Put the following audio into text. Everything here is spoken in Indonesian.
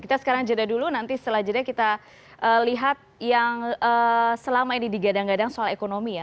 kita sekarang jeda dulu nanti setelah jeda kita lihat yang selama ini digadang gadang soal ekonomi ya